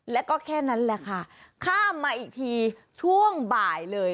แล้วก็แค่นั้นแหละค่ะข้ามมาอีกทีช่วงบ่ายเลย